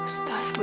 selamat tinggal non